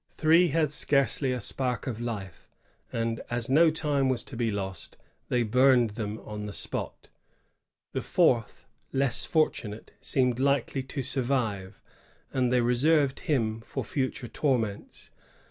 Three had scarcely a spark of Ufe, and, as no time was to be lost, they burned them on the spot. The fourth, less fortunate, seemed likely to survive, and they reserved him for future torments.